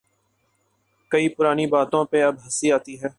کئی پرانی باتوں پہ اب ہنسی آتی ہے۔